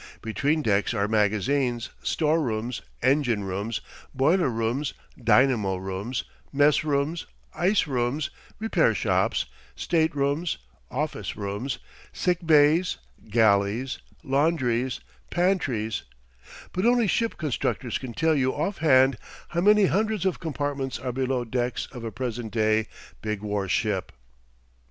Between decks are magazines, storerooms, engine rooms, boiler rooms, dynamo rooms, mess rooms, ice rooms, repair shops, staterooms, office rooms, sick bays, galleys, laundries, pantries but only ship constructors can tell you offhand how many hundreds of compartments are below decks of a present day big war ship.